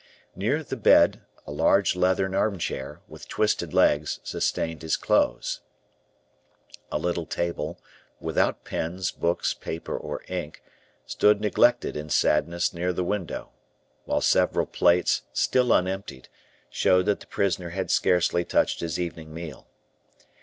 Near the bed a large leathern armchair, with twisted legs, sustained his clothes. A little table without pens, books, paper, or ink stood neglected in sadness near the window; while several plates, still unemptied, showed that the prisoner had scarcely touched his evening meal.